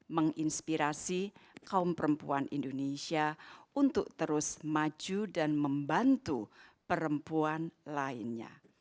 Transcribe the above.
menginspirasi kaum perempuan indonesia untuk terus maju dan membantu perempuan lainnya